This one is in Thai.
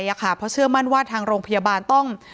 เพราะเชื่อมั่นว่าทางโรงพยาบาลต้อง